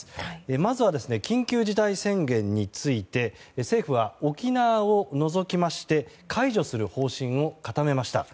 まずは、緊急事態宣言について政府は沖縄を除きまして解除する方針を固めました。